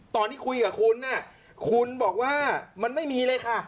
ตอนที่คุยกับคุณคุณบอกว่ามันไม่มีเลยค่ะ